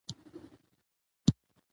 شوپرک د ځنګل ګلان خوښوي.